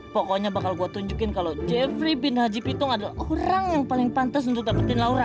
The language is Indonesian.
pokoknya bakal gue tunjukin kalau jeffrey bin haji pitung adalah orang yang paling pantas untuk dapetin laura